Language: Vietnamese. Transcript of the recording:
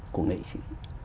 của nghệ sĩ